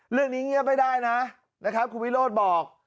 เรื่องนี้เงียบไม่ได้นะนะครับคุณวิโรธบอก